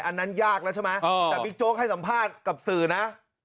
อันนั้นยากแล้วใช่ไหมแต่บิ๊กโจ๊กให้สัมภาษณ์กับสื่อนะ